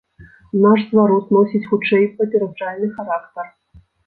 Наш зварот носіць хутчэй папераджальны характар.